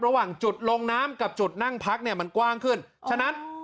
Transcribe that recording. ระหว่างจุดลงน้ำกับจุดนั่งพักเนี่ยมันกว้างขึ้นฉะนั้น